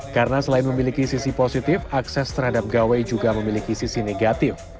karena selain memiliki sisi positif akses terhadap gawai juga memiliki sisi negatif